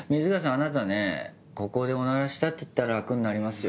あなたね「ここでおならした」って言ったら楽になりますよ。